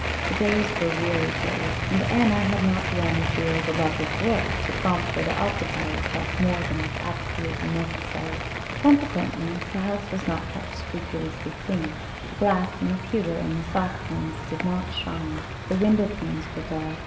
The days were weary days, and Anna had not the energy or the love of work to prompt her to occupy herself more than was absolutely necessary. Consequently, the house was not kept scrupulously clean. The glass and the pewter and the saucepans did not shine. The window panes were dull.